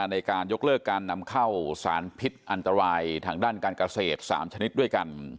ในการยกเลิกการนำเข้าสารพิษอันตรายทางด้านการเกษตร๓ชนิดด้วยกัน